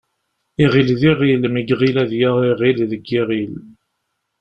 Iɣil d iɣil mi iɣil ad yaɣ iɣil deg yiɣil.